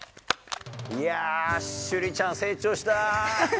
いやぁ、朱莉ちゃん、成長したー。